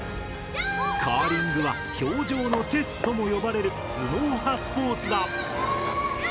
カーリングは氷上のチェスとも呼ばれる頭脳派スポーツだ！